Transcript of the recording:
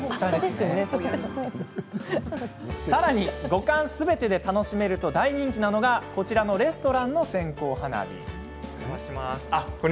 さらに五感すべてで楽しめると大人気なのがこちらのレストランの線香花火。